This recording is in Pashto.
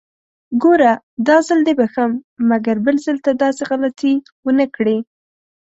ګوره! داځل دې بښم، مګر بل ځل ته داسې غلطي ونکړې!